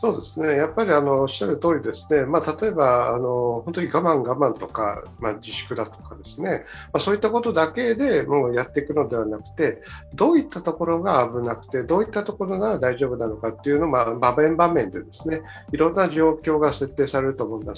やはりおっしゃるとおりで、例えば、我慢我慢とか自粛だとか、そういったことだけでやっていくのではなくて、どういったところが危なくて、どういったところが大丈夫なのか場面場面でいろんな状況が設定されると思います。